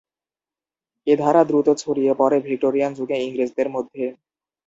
এ ধারা দ্রুত ছড়িয়ে পড়ে ভিক্টোরিয়ান যুগে ইংরেজদের মধ্যে।